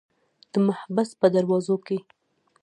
د محبس په دروازو کې.